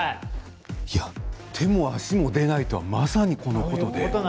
手も足も出ないとはまさに、このことで。